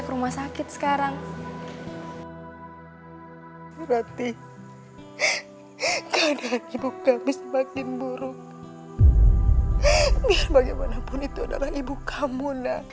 ke rumah sakit sekarang berarti keadaan ibu kami semakin buruk biar bagaimanapun itu adalah ibu kamu